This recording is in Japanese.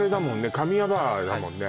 神谷バーだもんね